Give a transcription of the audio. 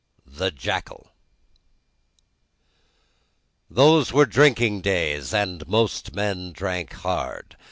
The Jackal Those were drinking days, and most men drank hard.